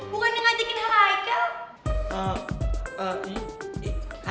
bukan ngajakin haikal